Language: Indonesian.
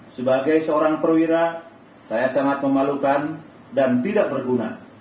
sebagai seorang perwira saya sangat memalukan dan tidak berguna